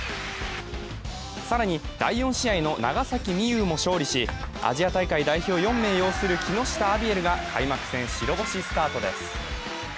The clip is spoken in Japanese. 更に、第４試合の長崎美柚も勝利しアジア大会代表４名擁する木下アビエルが開幕戦白星スタートです。